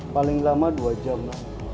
paling lama dua jam lah